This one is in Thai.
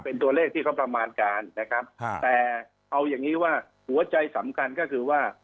เป็นตัวเลขที่เขาประมาณการนะครับแต่เอาอย่างงี้ว่าหัวใจสำคัญก็คือว่า